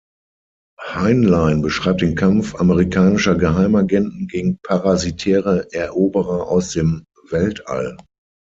Heinlein beschreibt den Kampf amerikanischer Geheimagenten gegen parasitäre Eroberer aus dem Weltall.